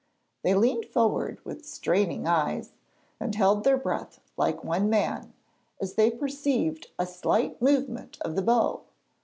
They leaned forward with straining eyes, and held their breath like one man, as they perceived a slight movement of the bow.